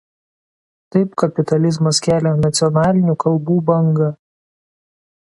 Taip kapitalizmas kelia nacionalinių kalbų bangą.